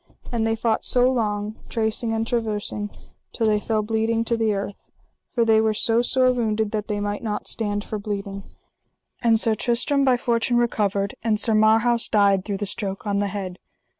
And they fought so long, tracing and traversing, till they fell bleeding to the earth; for they were so sore wounded that they might not stand for bleeding. And Sir Tristram by fortune recovered, and Sir Marhaus died through the stroke on the head.